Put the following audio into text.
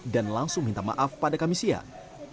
dan langsung minta maaf pada kamis siang